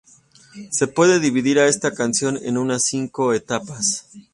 Se puede dividir a esta canción en unas cinco etapas